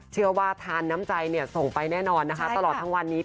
ทานน้ำใจส่งไปแน่นอนนะคะตลอดทั้งวันนี้